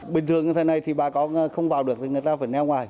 bình thường như thế này thì bà con không vào được thì người ta phải neo ngoài